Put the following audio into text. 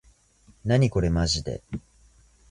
なにこれまじで